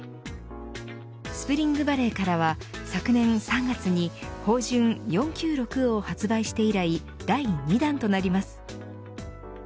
スプリングバレーからは昨年３月に豊潤４９６を発売して以来第２弾となります。